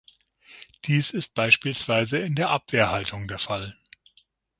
Dies ist beispielsweise in der Abwehrhaltung der Fall.